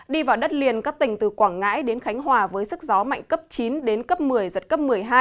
đi vào đất liền các tỉnh từ quảng ngãi đến khánh hòa với sức gió mạnh cấp chín đến cấp một mươi giật cấp một mươi hai